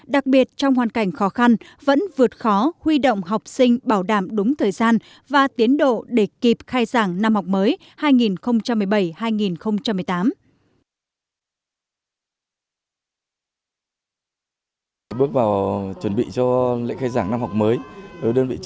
đặc biệt trong hoàn cảnh khó khăn vẫn vượt khó huy động học sinh bảo đảm đúng thời gian và tiến độ để kịp khai giảng năm học mới